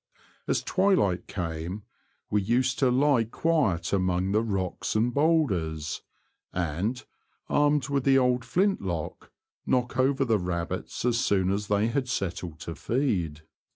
As twilight came we used to lie quiet among the rocks and boulders, and, armed with the old flint lock, knock over the rabbits as soon as they had settled to feed.